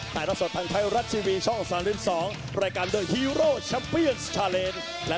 มาพร้อมกับเข็มขัด๔๙กิโลกรัมซึ่งตอนนี้เป็นของวัดสินชัยครับ